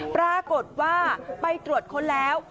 ปรากฏว่าไปตรวจค้นแล้ว